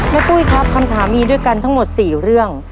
ตุ้ยครับคำถามมีด้วยกันทั้งหมด๔เรื่อง